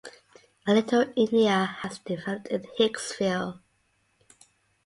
A Little India has developed in Hicksville.